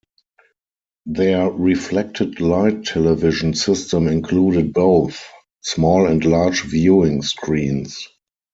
Their reflected-light television system included both small and large viewing screens.